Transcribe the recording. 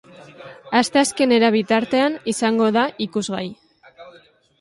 Asteazkenera bitartean izango da ikusgai.